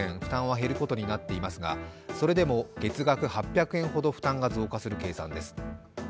減ることになりますがそれでも月額８００円ほど負担が増加する計算です。